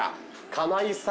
金井さんの。